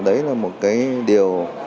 đấy là một cái điều